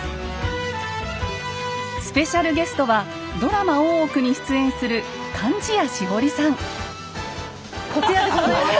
スペシャルゲストはドラマ「大奥」に出演するこちらでございます。